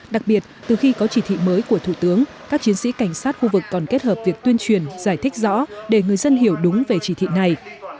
đặc biệt từ khi có chỉ thị mới của thủ tướng các chiến sĩ cảnh sát khu vực còn kết hợp việc tuyên truyền giải thích rõ để người dân hiểu đúng về chỉ thị này